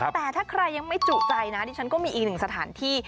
แต่ถ้าใครยังไม่จุใจนะดิฉันก็มีอีกหนึ่งสถานที่